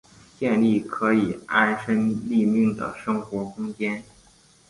建立可以安身立命的生活空间